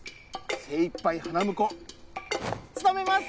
精いっぱい花婿務めます！